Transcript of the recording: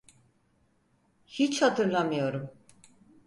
Hiç hatırlamıyorum.